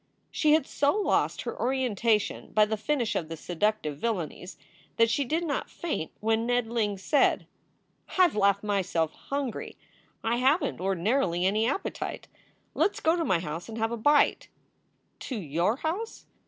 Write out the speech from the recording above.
She had so lost her orientation by the finish of the seduc tive villainies, that she did not faint when Ned Ling said: "I ve laughed myself hungry. I haven t ordinarily any appetite. Let s go to my house and have a bite." "To your house?"